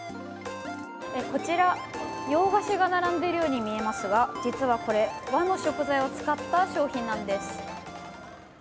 こちら洋菓子が並んでいるように見えますが実はこれ、和の食材を使った商品なんです。